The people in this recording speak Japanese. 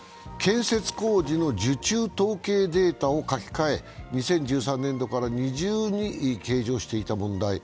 建設工事の受注統計データを書き換え、２０１３年度から二重に計上していた問題。